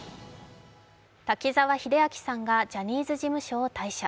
滝沢秀明さんがジャニーズ事務所を退社。